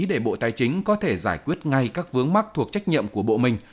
để bộ tài chính có thể giải quyết ngay các vướng mắc thuộc trách nhiệm của bộ mình